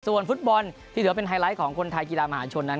ส่วนฟุตบอลที่เหลือเป็นไฮไลท์ของคนไทยกีฬามหาชนนั้น